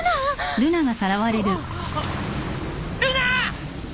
ルナ！